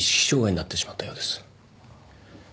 障害になってしまったようです。